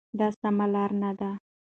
دا سمه لار نه ده.